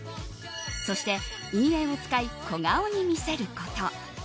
そして、陰影を使い小顔に見せること。